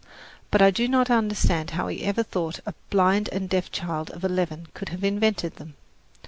But I do not understand how he ever thought a blind and deaf child of eleven could have invented them.